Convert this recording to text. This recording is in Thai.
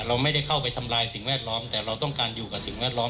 เราไม่ได้เข้าไปทำลายสิ่งแวดล้อมแต่เราต้องการอยู่กับสิ่งแวดล้อม